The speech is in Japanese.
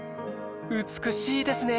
美しいですね